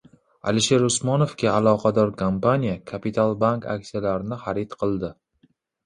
Alisher Usmonovga aloqador kompaniya "Kapitalbank" aksiyalarini xarid qildi